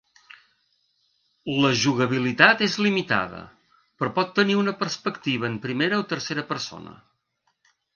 La jugabilitat és limitada, però pot tenir una perspectiva en primera o tercera persona.